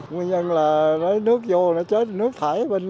nguyên nhân là lấy nước vô nó chết nước thải bên